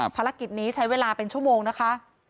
ภารกิจนี้ใช้เวลาเป็นชั่วโมงนะคะ